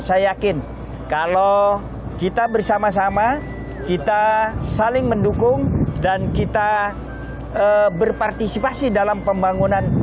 saya yakin kalau kita bersama sama kita saling mendukung dan kita berpartisipasi dalam pembangunan